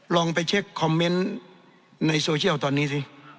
ลองไปเช็คคอมเมนต์ในโซเชียลตอนนี้สิ